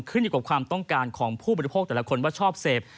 ขึ้นอยู่กับความต้องการของผู้บริโภคแต่ละคนว่าชอบเสพ